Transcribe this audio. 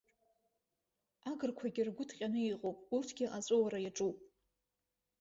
Агырқәагьы ргәы ҭҟьаны иҟоуп, урҭгьы аҵәыуара иаҿуп.